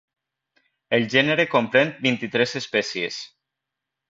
El gènere comprèn vint-i-tres espècies.